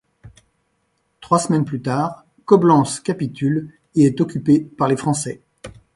Trois semaines plus tard, Coblence capitule et est occupée par les Français.